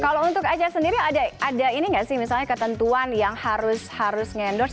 kalau untuk aca sendiri ada ini gak sih misalnya ketentuan yang harus harus ngendorse